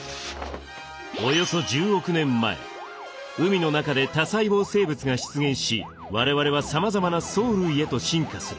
およそ１０億年前海の中で多細胞生物が出現し我々はさまざまな藻類へと進化する。